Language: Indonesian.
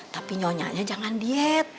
tapi nyonyanya jangan diet